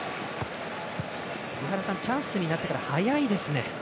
チャンスになってから速いですね。